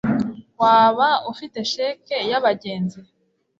waba ufite cheque yabagenzi